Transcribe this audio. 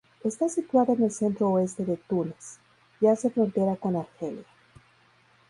Está situada en el centro-oeste de Túnez, y hace frontera con Argelia.